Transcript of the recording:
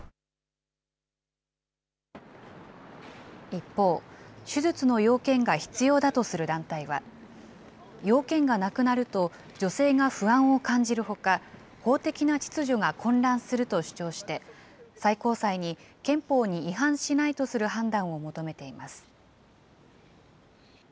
一方、手術の要件が必要だとする団体は、要件がなくなると女性が不安を感じるほか、法的な秩序が混乱すると主張して、最高裁に憲法に違反しないとする判断を求めています。